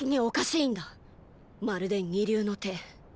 まるで二流の手。